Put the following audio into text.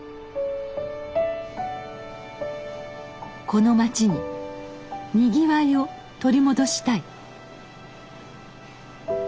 この町ににぎわいを取り戻したい。